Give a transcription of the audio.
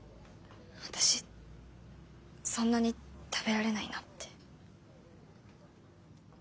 私そんなに食べられないなって。